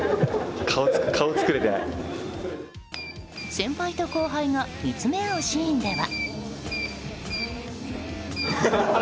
先輩と後輩が見つめ合うシーンでは。